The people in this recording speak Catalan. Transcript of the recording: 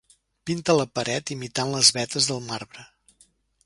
Pinta la paret imitant les vetes del marbre.